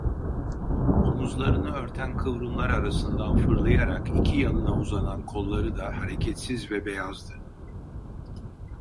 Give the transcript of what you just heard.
Omuzlarını örten kıvrımlar arasından fırlayarak iki yanına uzanan kolları da hareketsiz ve beyazdı.